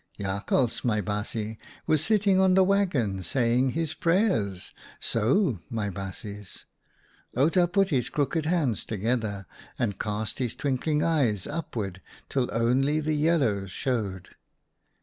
" Jakhals, my baasje, was sitting on the waggon saying his prayers — so, my baasjes." Outa put his crooked hands together and cast 52 OUTA KARELS STORIES his twinkling eyes upwards till only the yellows showed.